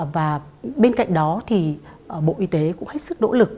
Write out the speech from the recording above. và bên cạnh đó thì bộ y tế cũng hết sức nỗ lực